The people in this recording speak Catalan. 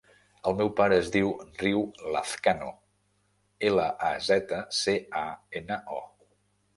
El meu pare es diu Riu Lazcano: ela, a, zeta, ce, a, ena, o.